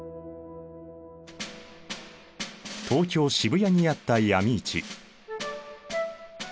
東京・渋谷にあった闇市。